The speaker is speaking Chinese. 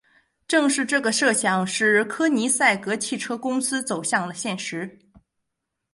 正是这个设想使柯尼塞格汽车公司走向了现实。